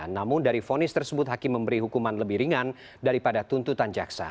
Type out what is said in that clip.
namun dari fonis tersebut hakim memberi hukuman lebih ringan daripada tuntutan jaksa